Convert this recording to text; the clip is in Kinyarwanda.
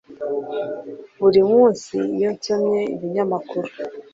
Buri munsi iyo nsomye ibinyamakuru